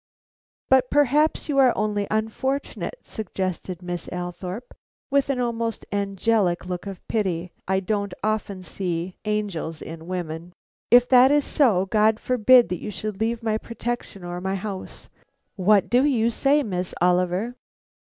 "But perhaps you are only unfortunate," suggested Miss Althorpe, with an almost angelic look of pity I don't often see angels in women. "If that is so, God forbid that you should leave my protection or my house. What do you say, Miss Oliver?"